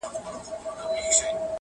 • تجرۍ دي که جېبونه صندوقونه,